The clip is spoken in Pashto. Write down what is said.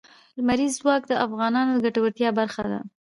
لمریز ځواک د افغانانو د ګټورتیا برخه ده.